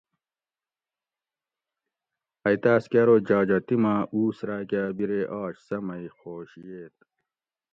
ائ تاۤس کہ ارو جاجہ تیما اُوس راۤکہ اۤ بیرے آش سہۤ مئ خوش ییت